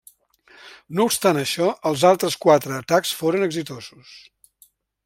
No obstant això, els altres quatre atacs foren exitosos.